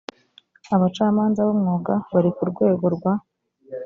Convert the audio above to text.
abacamanza b’umwuga bari ku rwego rwa